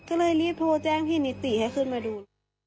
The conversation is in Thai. ก็เลยรีบโทรแจ้งพี่นิสสี่ให้ดู